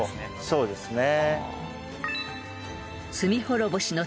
そうですね。